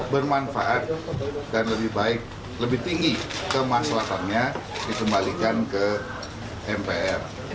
bermanfaat dan lebih baik lebih tinggi kemaslahannya dikembalikan ke mpr